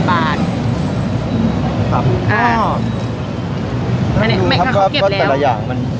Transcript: ข้างในขายห้าสิบบาทครับอ่าเขาเก็บแล้วก็แต่ละอย่างมัน